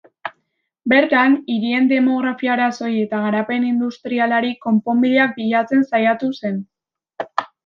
Bertan, hirien demografia-arazoei eta garapen industrialari konponbideak bilatzen saiatu zen.